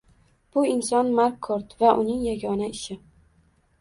Bu inson Mark Kort va uning yagona ishi